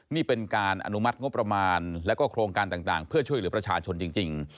นี่เป็นการอนุมัติงบประมาณแล้วก็โครงการต่างเพื่อช่วยเหลือประชาชนจริง